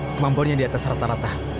kemampuannya di atas rata rata